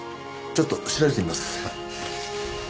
ちょっと調べてみます。